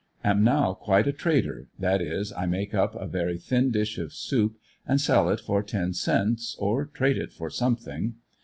Am now quite a trader — that is, I make up a very thin dish of soup and sell it for ten cents, or trade it for something.